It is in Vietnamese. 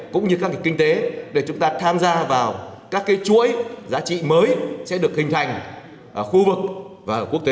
cũng như các kinh tế để chúng ta tham gia vào các chuỗi giá trị mới sẽ được hình thành ở khu vực và ở quốc tế